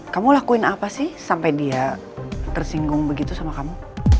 kamu lakuin apa sih sampai dia tersinggung begitu sama kamu